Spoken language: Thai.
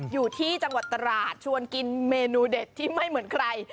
อยู่ที่จังหวัดตราดชวนกินเมนูเด็ดที่ไม่เหมือนใคร